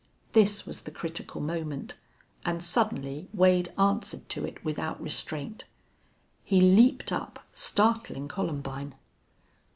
This was the critical moment, and suddenly Wade answered to it without restraint. He leaped up, startling Columbine.